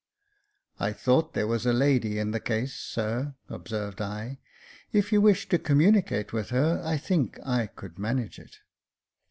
" I thought there was a lady in the case, sir," observed I. "If you wish to communicate with her, I think I could manage it."